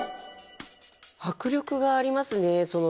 迫力がありますね。